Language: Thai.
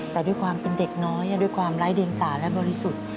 แต่ด้วยความเป็นเด็กน้อยด้วยความไร้เดียงสาและบริสุทธิ์